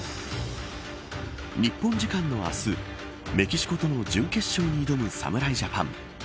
日本時間の明日メキシコとの準決勝に挑む侍ジャパン。